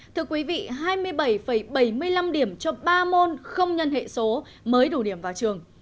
thưa quý vị hai mươi bảy bảy mươi năm điểm cho ba môn không nhân hệ số mới đủ điểm vào trường